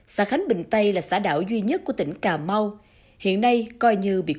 xã khánh bình tây là xã đảo duy nhất của tỉnh cà mau hiện nay coi như bị cô lập